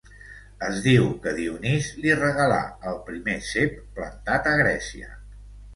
Es diu que Dionís li regalà el primer cep plantat a Grècia.